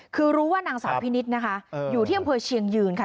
คือรู้ว่านางสาวพินิษฐ์นะคะอยู่ที่อำเภอเชียงยืนค่ะ